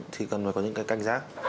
thì cần phải có những cái canh giác